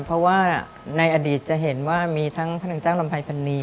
เพราะว่าในอดีตจะเห็นว่ามีทั้งพระนางเจ้าลำไพพันนี